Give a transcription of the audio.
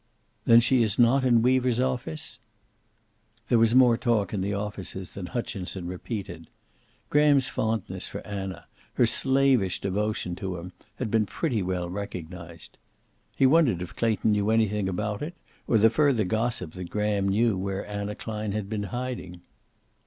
"Then she is not in Weaver's office?" There was more talk in the offices than Hutchinson repeated. Graham's fondness for Anna, her slavish devotion to him, had been pretty well recognized. He wondered if Clayton knew anything about it, or the further gossip that Graham knew where Anna Klein had been hiding.